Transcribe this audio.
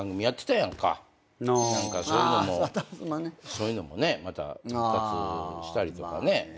そういうのもねまた復活したりとかしたら。